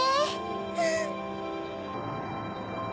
うん！